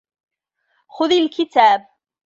خُذْ الْكِتَابَ.